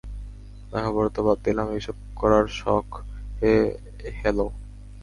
লেখাপড়া তো বাদ দিলাম এইসব করার শখে হ্যাঁলো।